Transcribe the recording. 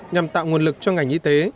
nhằm tạo nguồn lực cho ngành y tế